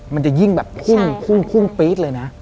มันจะยิ่งแบบพุ่งพุ่งปี๊ดเลยนะ